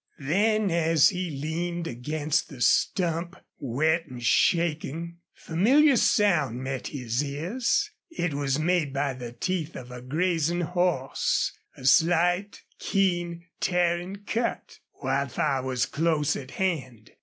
Then, as he leaned against the stump, wet and shaking, familiar sound met his ears. It was made by the teeth of a grazing horse a slight, keen, tearing cut. Wildfire was close at hand!